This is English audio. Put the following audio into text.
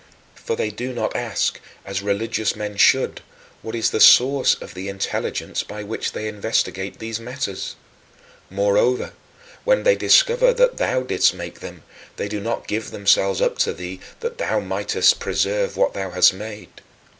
For they do not ask, as religious men should, what is the source of the intelligence by which they investigate these matters. Moreover, when they discover that thou didst make them, they do not give themselves up to thee that thou mightest preserve what thou hast made.